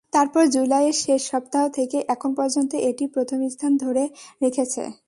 তারপর জুলাইয়ের শেষ সপ্তাহ থেকে এখন পর্যন্ত এটি প্রথম স্থান ধরে রেখেছে।